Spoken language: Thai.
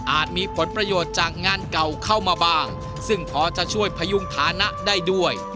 มีผลประโยชน์จากงานเก่าเข้ามาบ้างซึ่งพอจะช่วยพยุงฐานะได้ด้วย